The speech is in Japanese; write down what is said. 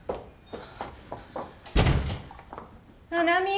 七海？